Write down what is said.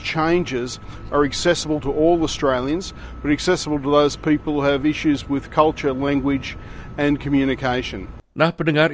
dan sekarang kita memiliki pelanggan dari komunitas itu sekitar sembilan